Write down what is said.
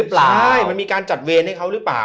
ปลายมันมีการจัดเวรให้เขาหรือเปล่า